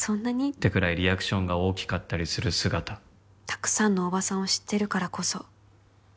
「ってくらいリアクションが大きかったりする姿」「たくさんの大庭さんを知ってるからこそ」